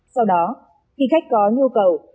sau đó khi khách có nhu cầu